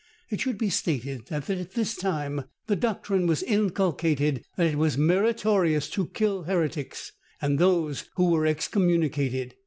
It should be stated, that at that time the doctrine was inculcated, that it was meritorious to kill heretics, and those who were excommunicated.